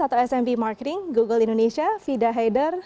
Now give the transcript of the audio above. atau smb marketing google indonesia fida haider